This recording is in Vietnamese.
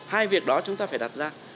hai việc đó chúng ta phải đặt ra